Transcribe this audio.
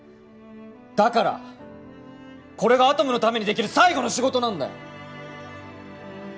だからこれがアトムのためにできる最後の仕事なんだよ